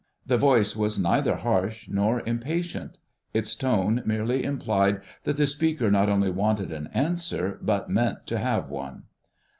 The voice was neither harsh nor impatient. Its tone merely implied that the speaker not only wanted an answer but meant to have one.